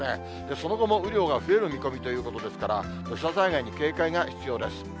その後も雨量が増える見込みということですから、土砂災害に警戒が必要です。